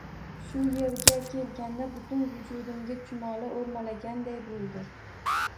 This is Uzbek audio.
Shu yerga kelganda butun vujudimga chumoli oʻrmalaganday boʻldi.